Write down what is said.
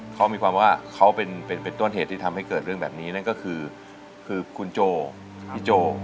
เขามีความว่าเขาเป็นต้นเหตุที่ทำให้เกิดเรื่องแบบนี้นั่นก็คือคือคุณโจพี่โจ